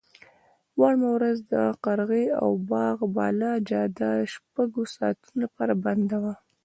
وړمه ورځ د قرغې او باغ بالا جاده شپږو ساعتونو لپاره بنده وه.